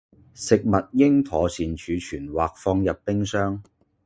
食物應妥善儲存或者放入冰箱